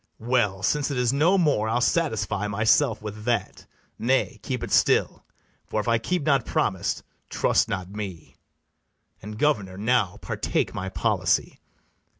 well, since it is no more, I'll satisfy myself with that; nay, keep it still, For, if I keep not promise, trust not me: And, governor, now partake my policy.